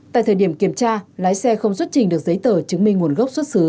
tại thời điểm kiểm tra lái xe không xuất trình được giấy tờ chứng minh nguồn gốc xuất xứ